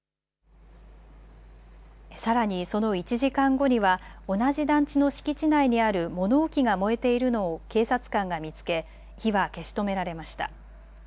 さらにその１時間後には同じ団地の敷地内にある物置が燃えているのを警察官が見つけ火は消し止められました。